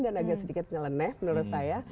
dan agak sedikit nyeleneh menurut saya